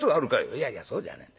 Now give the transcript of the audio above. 「いやいやそうじゃない。